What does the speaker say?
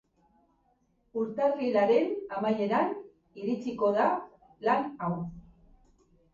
Urtarrilaren amaieran iritsiko da lan hau.